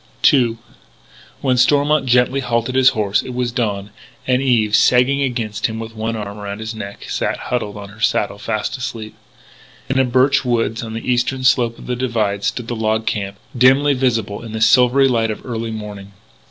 II When Stormont gently halted his horse it was dawn, and Eve, sagging against him with one arm around his neck, sat huddled up on her saddle fast asleep. In a birch woods, on the eastern slope of the divide, stood the log camp, dimly visible in the silvery light of early morning.